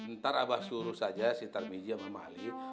ntar abah suruh saja si tarminji sama mali